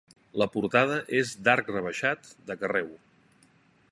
La portada és d'arc rebaixat, de carreu.